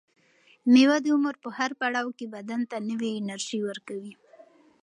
مېوه د عمر په هر پړاو کې بدن ته نوې انرژي ورکوي.